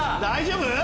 大丈夫？